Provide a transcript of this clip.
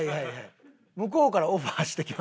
向こうからオファーしてきましたから。